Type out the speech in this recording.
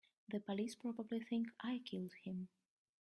The police probably think I killed him.